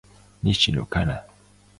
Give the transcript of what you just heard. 西野カナ